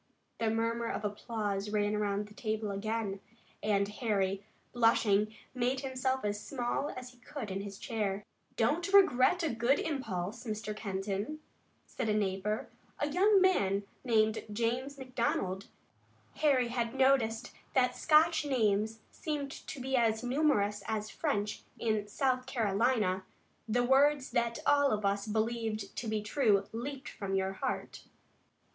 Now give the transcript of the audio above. The murmur of applause ran around the table again, and Harry, blushing, made himself as small as he could in his chair. "Don't regret a good impulse. Mr. Kenton," said a neighbor, a young man named James McDonald Harry had noticed that Scotch names seemed to be as numerous as French in South Carolina "the words that all of us believe to be true leaped from your heart."